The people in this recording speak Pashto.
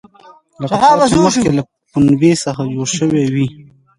لکه تار چې مخکې له پنبې څخه جوړ شوی وي.